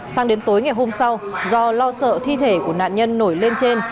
sang đến tối ngày hôm sau do lo sợ thi thể của nạn nhân nổi lên trên